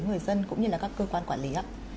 người dân cũng như các cơ quan quản lý